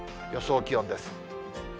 予想気温です。